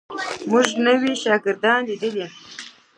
موږ نوي شاګردان لیدلي.